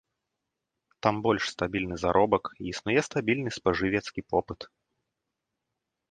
Там больш стабільны заробак і існуе стабільны спажывецкі попыт.